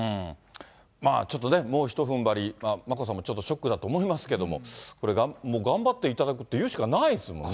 まあちょっとね、もうひとふんばり、眞子さんもちょっとショックだと思いますけど、頑張っていただくって言うしかないですもんね。